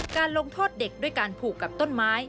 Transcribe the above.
การลงโทษเด็กด้วยการผูกกับต้นไม้